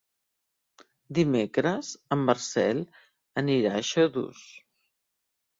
Dimecres en Marcel anirà a Xodos.